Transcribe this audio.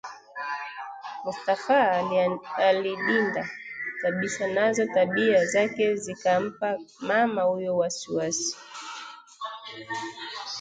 Mustafa alidinda kabisa nazo tabia zake zikampa mama huyo waiwasi